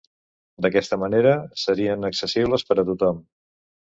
D'aquesta manera serien accessibles per a tothom.